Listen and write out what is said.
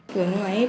giờ nói hết